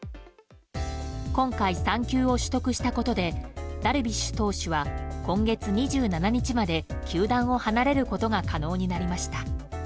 今回、産休を取得したことでダルビッシュ投手は今月２７日まで球団を離れることが可能になりました。